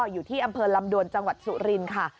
อยู่ที่อำเภอลำดวนจังหวัดสุรินทร์ค่ะ